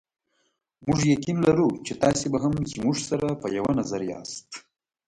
موږ یقین لرو چې تاسې به هم زموږ سره په یوه نظر یاست.